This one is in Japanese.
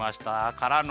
からの。